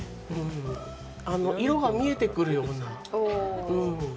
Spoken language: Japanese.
色が見えてくるような。